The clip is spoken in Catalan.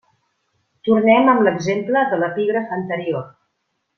Tornem amb l'exemple de l'epígraf anterior.